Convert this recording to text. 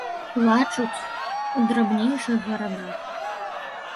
Плачуць у драбнейшых гарадах.